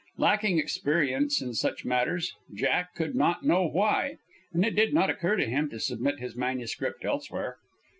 Lacking experience in such matters, Jack could not know why. And it did not occur to him to submit his manuscript elsewhere.